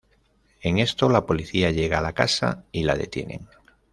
En esto, la policía llega a la casa y la detienen.